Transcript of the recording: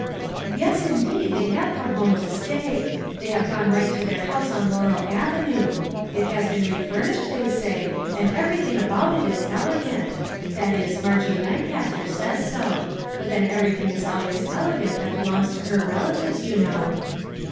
" Yes, indeed ; they have come home to stay. They have gone right to their house on Laurel avenue; it has been refurnished, they say, and 343 MAG AND MARGARET everything about it is elegant that is, Margie Lancaster says so; but then everything is al ways elegant that belongs to her relatives, you know."